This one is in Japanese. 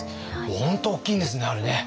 本当大きいんですねあれね。